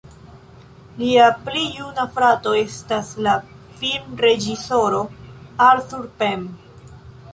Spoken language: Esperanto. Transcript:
Lia pli juna frato estas la filmreĝisoro Arthur Penn.